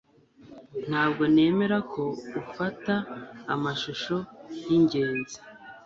ntabwo nemera ko ufata amashusho yinyenzi